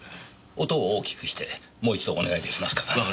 音を大きくしてもう一度お願い出来ますか。